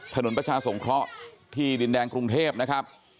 ถนนประชาสงเคราะห์ที่ดินแดงกรุงเทพนะครับ